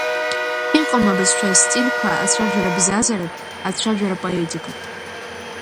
Иҟам абызшәа астильқәа ацәажәара-бзазаратә, ацәажәарапоетикатә…